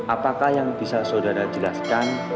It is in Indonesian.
apakah yang bisa saudara jelaskan